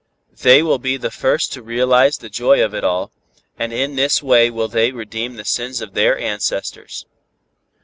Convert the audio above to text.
They will be the first to realize the joy of it all, and in this way will they redeem the sins of their ancestors."